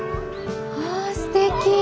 わすてき！